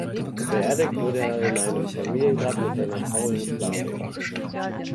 Beerdigt wurde er in einem Familiengrab mit seiner Frau in Flushing.